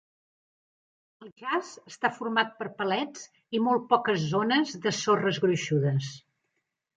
El jaç està format per palets i molt poques zones de sorres gruixudes.